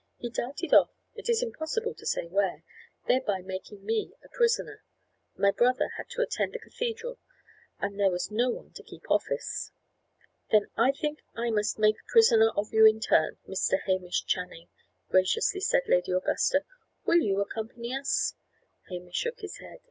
"He darted off, it is impossible to say where, thereby making me a prisoner. My brother had to attend the cathedral, and there was no one to keep office." "Then I think I must make a prisoner of you in turn, Mr. Hamish Channing," graciously said Lady Augusta. "Will you accompany us?" Hamish shook his head.